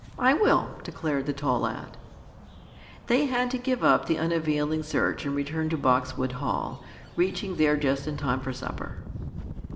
"I will," declared the tall lad. They had to give up the unavailing search and return to Boxwood Hall, reaching there just in time for supper.